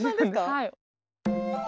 はい。